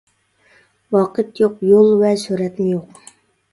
ۋاقىت يوق، يول ۋە سۈرئەتمۇ يوق.